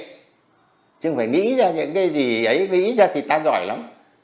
chứ không phải nghĩ ra những cái gì ấy nghĩ ra thì ta giỏi lắm